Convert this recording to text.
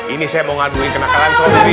ini saya mau ngaduin kenakanan sobri